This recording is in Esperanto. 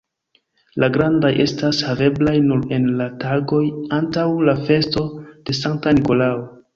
La grandaj estas haveblaj nur en la tagoj antaŭ la festo de Sankta Nikolao.